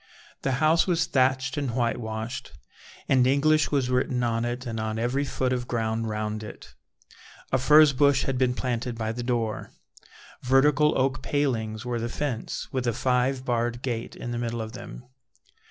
The house was thatched and whitewashed, and English was written on it and on every foot of ground round it. A furze bush had been planted by the door. Vertical oak palings were the fence, with a five barred gate in the middle of them.